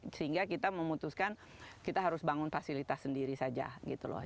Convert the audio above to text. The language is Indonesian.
sehingga kita memutuskan kita harus bangun fasilitas sendiri saja gitu loh